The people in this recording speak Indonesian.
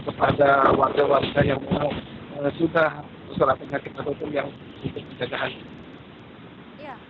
kepada warga warga yang sudah berasal dari penyakit ataupun yang sudah dikejagaan